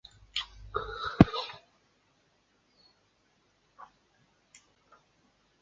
Тасма Бир Дүйнө кинофестивалында көрсөтүлүшү керек болчу.